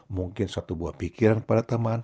mungkin suatu buah pikiran kepada teman